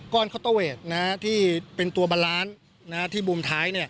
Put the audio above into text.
คอตเตอร์เวทที่เป็นตัวบาลานซ์ที่มุมท้าย